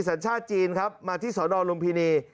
สัญชาติจีนครับมาที่สนลุมพินี